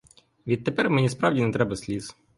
Відтепер мені справді не треба сліз.